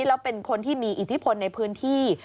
แล้วเป็นคนที่มีอิทธิพลในพื้นที่